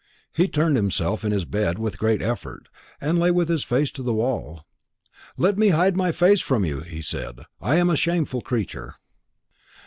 He turned himself in his bed with a great effort, and lay with his face to the wall. "Let me hide my face from you," he said; "I am a shameful creature."